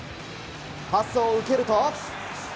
パスを受けると。